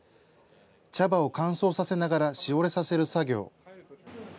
茶葉を乾燥させながらしおれさせる作業。